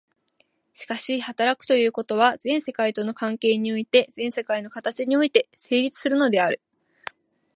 しかし働くということは、全世界との関係において、全世界の形において成立するのである。